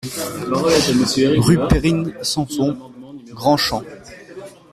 Rue Perrine Samson, Grand-Champ